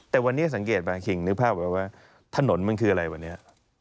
แต่วันนี้สังเกตมาคิงนึกภาพไว้ว่าถนนมันคืออะไรวันนี้